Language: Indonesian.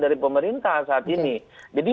dari pemerintah saat ini jadi